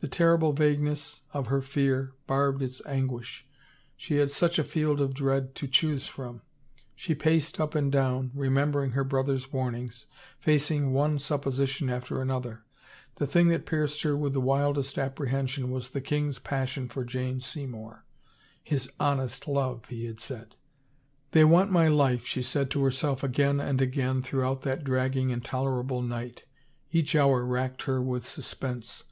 The terrible vagueness of her fear barbed its anguish. She had such a field of dread to choose from ! She paced up and down, remembering her brother's warnings, facing one supposition after another. The thing that pierced her with the wildest apprehension was the king's passion for Jane Seymour. His honest love, he had said 1 '* They want my life," she said to herself again and again, throughout that dragging, intolerable night. Each hour racked her with suspense.